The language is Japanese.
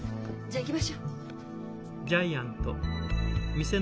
じゃあ行きましょう。